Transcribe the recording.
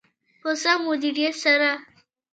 په سم مدیریت سره.